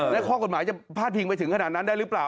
และข้อกฎหมายจะพาดพิงไปถึงขนาดนั้นได้หรือเปล่า